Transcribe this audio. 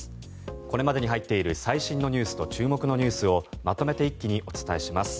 これまでに入っている最新ニュースと注目ニュースをまとめて一気にお伝えします。